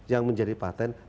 yang menjadi patent